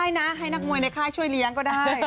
ใช่ช่วยเลี้ยงก็ได้